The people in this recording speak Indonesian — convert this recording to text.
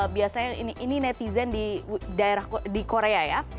biasanya ini netizen di korea ya